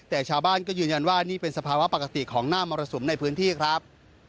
แต่ชาวบ้านก็ยืนยันว่านี่เป็นสภาวะปกติของหน้ามรสุมในพื้นที่ครับ